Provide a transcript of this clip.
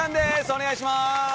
お願いします。